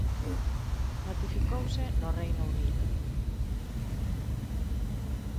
Notificouse no Reino Unido.